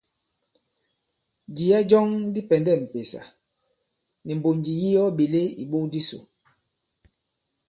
Jìya jɔŋ di pɛ̀ndɛ m̀pèsà nì mbònjì yi ɔ ɓèle ìbok disò.